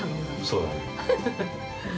◆そうだね。